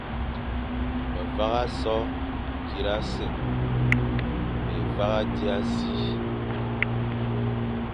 Me vagha so kirase, mé vagha dia si,